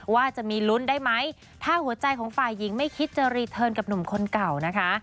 ว่าจะมีลุ้นได้ไหมถ้าหัวใจของฝ่ายหญิงไม่คิดจะรีเทิร์นกับหนุ่มคนเก่านะคะ